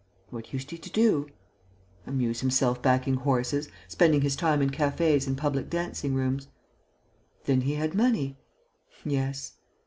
"What used he to do?" "Amuse himself backing horses, spending his time in cafés and public dancing rooms." "Then he had money?" "Yes."